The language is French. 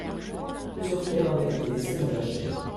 Plusieurs terres avaient été laissées en jachère.